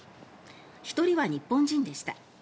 １人は日本人でした。